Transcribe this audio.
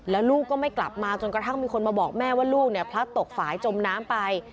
แล้วลูกก็ไม่กลับมาจนกระทั่งมีคนมาบอกแม่ว่าลูกเนี่ยพลัดตกฝ่ายจมน้ำไป